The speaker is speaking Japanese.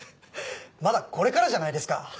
まだこれからじゃないですか。